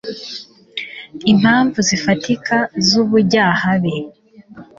impamvu zifatika z'ubujyahabi